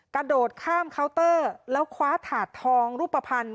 กระโดดข้ามเคาน์เตอร์แล้วคว้าถาดทองรูปภัณฑ์